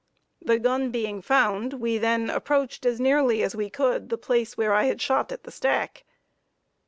The gun being found, we then approached as nearly as we could the place where I had shot at the stack.